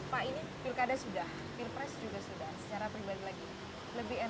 pak ini pilkada sudah pilpres juga sudah secara pribadi lagi